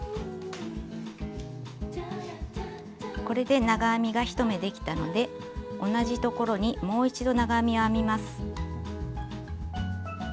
これで長編みが１目できたので同じところにもう一度長編みを編みます。